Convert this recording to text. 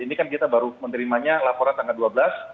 ini kan kita baru menerimanya laporan tanggal dua belas